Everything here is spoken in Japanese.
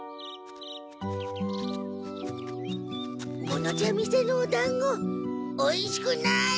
この茶店のおだんごおいしくない！